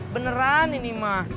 beneran ini mah